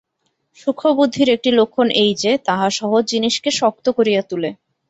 সূক্ষ্ম বুদ্ধির একটা লক্ষণ এই যে, তাহা সহজ জিনিসকে শক্ত করিয়া তুলে।